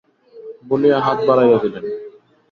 বলিয়া হাত বাড়াইয়া দিলেন।